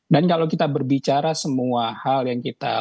dan kalau kita berbicara semua hal yang kita inginkan